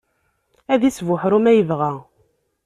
Ad isbuḥru ma yebɣa.